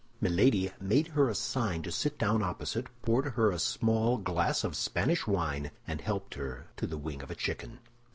Milady made her a sign to sit down opposite, poured her a small glass of Spanish wine, and helped her to the wing of a chicken.